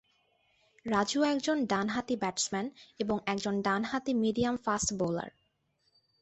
রাজু একজন ডান-হাঁতি ব্যাটসম্যান এবং একজন ডান-হাঁতি মিডিয়াম-ফাস্ট বোলার।